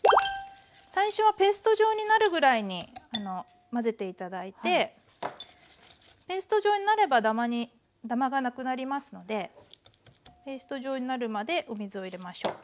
最初はペースト状になるぐらいに混ぜて頂いてペースト状になればダマがなくなりますのでペースト状になるまでお水を入れましょう。